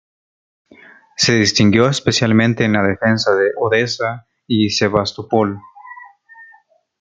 Se distinguió especialmente en la defensa de Odesa y Sebastopol.